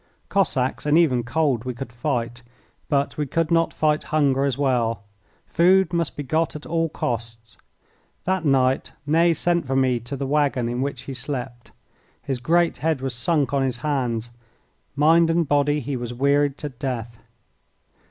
Cossacks and even cold we could fight, but we could not fight hunger as well. Food must be got at all costs. That night Ney sent for me to the waggon in which he slept. His great head was sunk on his hands. Mind and body he was wearied to death.